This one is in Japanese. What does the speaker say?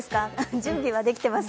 準備はできてます？